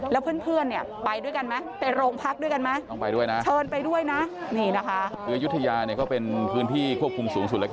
แล้วเพื่อนเนี่ยไปด้วยกันไหม